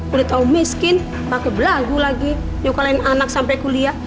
udah tau miskin pake belagu lagi nyokalin anak sampai kuliah